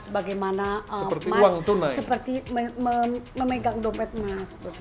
sebagaimana seperti memegang dompet mas